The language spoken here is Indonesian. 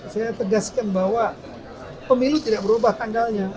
saya tegaskan bahwa pemilu tidak berubah tanggalnya